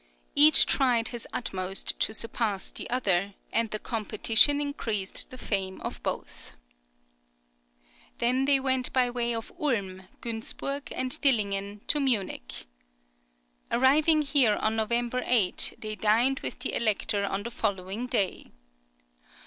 "Each tried his utmost to surpass the other, and the competition increased the fame of both."[20048] Then they went by way of Ulm, Günzburg, and Dillingen to Munich. Arriving here on November 8, they dined with the Elector on the following day.